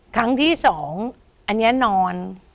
ก็นอน